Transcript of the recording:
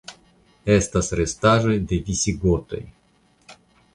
Estas restaĵoj de visigotoj.